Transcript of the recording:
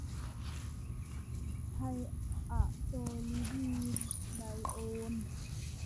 ไธอะโซลิดีนไดโอน